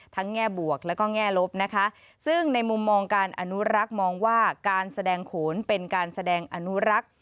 แง่บวกแล้วก็แง่ลบนะคะซึ่งในมุมมองการอนุรักษ์มองว่าการแสดงโขนเป็นการแสดงอนุรักษ์